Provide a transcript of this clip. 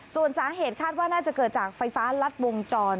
ส่วนสาเหตุคาดว่าน่าจะเกิดจากไฟฟ้ารัดวงจร